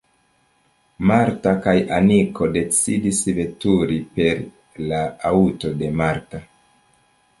Marta kaj Aniko decidis veturi per la aŭto de Marta.